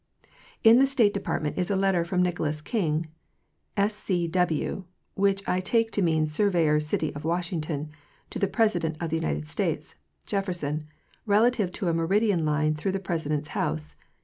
In the State Department is a letter from Nicholas King, S.C. W. (which I take to mean surveyor city of Washington), to the President of the United States (Jefferson) relative to a meridian line through the President's house.